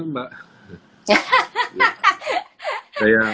sebenarnya itu pertanyaan saya nanti